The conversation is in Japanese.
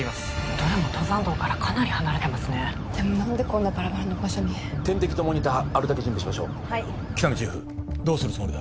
どれも登山道からかなり離れてますねでも何でこんなバラバラの場所に点滴とモニターあるだけ準備しましょう喜多見チーフどうするつもりだ？